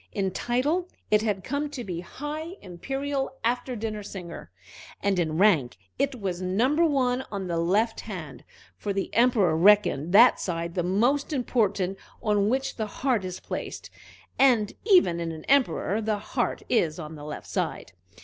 In title it had come to be High Imperial After Dinner Singer, and in rank it was Number One on the left hand; for the Emperor reckoned that side the most important on which the heart is placed, and even in an Emperor the heart is on the left side.